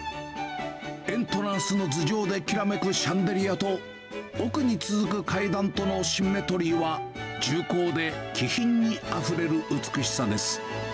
エントランスの頭上できらめくシャンデリアと、奥に続く階段とのシンメトリーは、重厚で気品にあふれる美しさです。